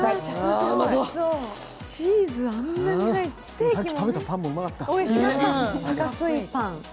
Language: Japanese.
チーズ、あんなに入ってステーキも。